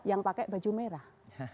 yang pakai baju merah